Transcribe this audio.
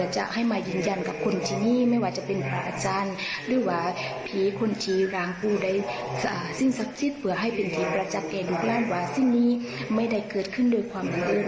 เอ้าลองเสียงเข้าหน่อยค่ะ